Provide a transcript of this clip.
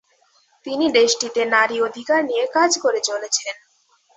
তিনি দেশটিতে নারী অধিকার নিয়ে কাজ করে চলেছেন।